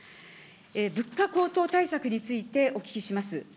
物価高騰対策についてお聞きします。